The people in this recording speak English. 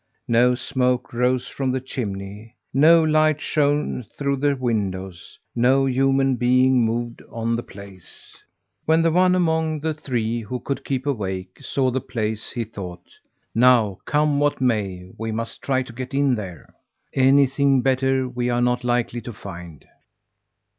No smoke rose from the chimney; no light shone through the windows; no human being moved on the place. When the one among the three who could keep awake, saw the place, he thought: "Now come what may, we must try to get in here. Anything better we are not likely to find."